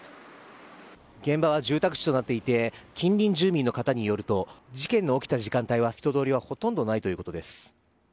現場は住宅地となっていて近隣住民の方たちによると事件の起きた時間帯は人通りはほとんどないということです。